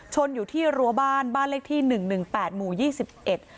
ชนอยู่ที่รั้วบ้านบ้านเลขที่หนึ่งหนึ่งแปดหมู่ยี่สิบเอ็ด